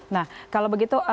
nah kalau begitu